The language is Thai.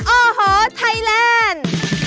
โอ้โหไทยแลนด์